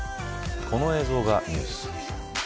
この映像がニュース。